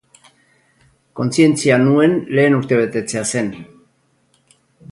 Kontzientzia nuen lehen urtebetetzea zen.